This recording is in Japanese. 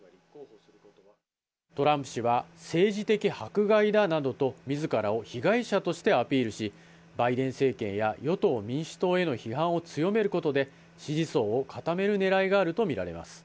トランプ氏は、政治的迫害だなどとみずからを被害者としてアピールし、バイデン政権や与党・民主党への批判を強めることで、支持層を固めるねらいがあると見られます。